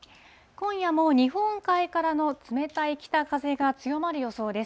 今夜も日本海からの冷たい北風が強まる予想です。